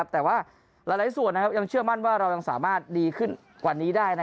แต่ว่าหลายส่วนยังเชื่อมั่นว่าเรายังสามารถดีขึ้นกว่านี้ได้